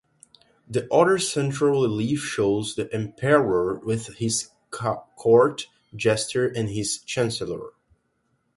The other central relief shows the Emperor with his court jester and his chancellor.